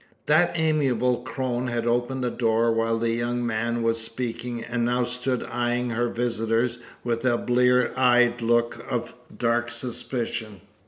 That amiable crone had opened the door while the young man was speaking, and now stood eyeing her visitors with a blear eyed look of dark suspicion.